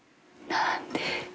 なんで？